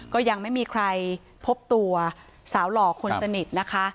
ก็ยังไม่มีใครพบตัวสาวหล่อคนสนิทนะคะ